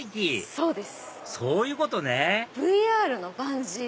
そういうことねＶＲのバンジー。